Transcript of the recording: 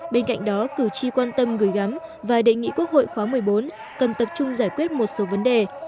bên cạnh đó cử tri quan tâm gửi gắm và đề nghị quốc hội khóa một mươi bốn cần tập trung giải quyết một số vấn đề